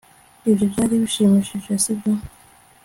ibyo byari bishimishije, sibyo